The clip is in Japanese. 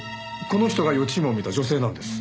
この人が予知夢を見た女性なんです。